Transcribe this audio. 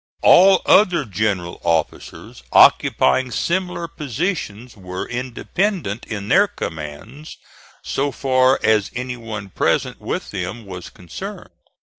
All other general officers occupying similar positions were independent in their commands so far as any one present with them was concerned.